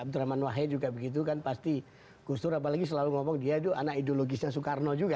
abdurrahman wahid juga begitu kan pasti gus dur apalagi selalu ngomong dia itu anak ideologisnya soekarno juga